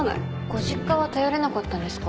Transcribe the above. ご実家は頼れなかったんですか？